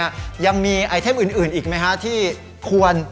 ยังมีไอเทมอื่นอีกไหมฮะที่ควร